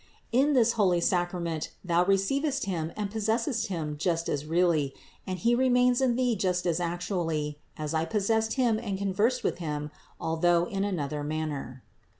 In this holy Sacrament thou receivest Him and possessest Him just as really, and He remains in thee just as actually, as I possessed Him and conversed with Him, although in another manner.